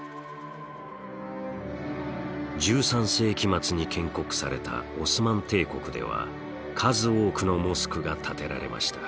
世紀末に建国されたオスマン帝国では数多くのモスクが建てられました。